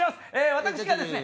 私がですね